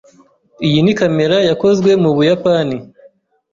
Iyi ni kamera yakozwe mu Buyapani.